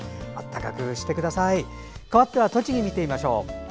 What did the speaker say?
かわっては栃木見てみましょう。